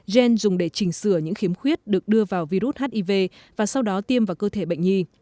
gen dùng để chỉnh sửa những khiếm khuyết được đưa vào virus hiv và sau đó tiêm vào cơ thể bệnh nhi